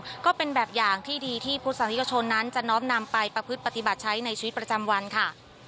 แล้วก็เป็นแบบอย่างที่ดีที่พุทธศาสนิกชนนั้นจะน้อมนำไปประพฤติปฏิบัติใช้ในชีวิตประจำวันค่ะ